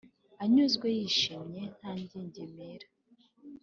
anyuzwe: yishimye, nta ngingimira,